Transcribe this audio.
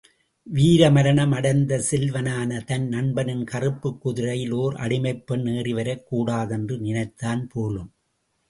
வீர மரணம் அடைந்த, செல்வனான தன் நண்பனின் கறுப்பு குதிரையில் ஓர் அடிமைப்பெண் ஏறிவரக் கூடாதென்று நினைத்தான் போலும்.